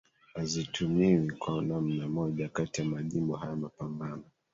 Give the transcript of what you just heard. hazitumiwi kwa namna moja kati ya majimbo haya mapambano